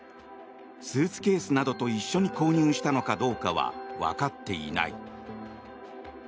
スーツケースなどと一緒に購入したのかどうかはわかっていない。